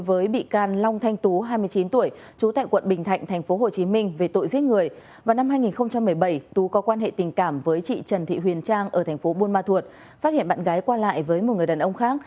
vào năm hai nghìn một mươi bảy tú có quan hệ tình cảm với chị trần thị huyền trang ở tp buôn ma thuột phát hiện bạn gái qua lại với một người đàn ông khác